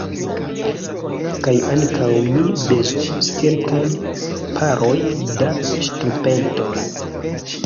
Kaj ankaŭ mi bezonas kelkajn parojn da ŝtrumpetoj.